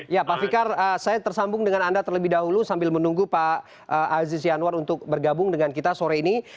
ya pak fikar saya tersambung dengan anda terlebih dahulu sambil menunggu pak aziz yanwar untuk bergabung dengan kita sore ini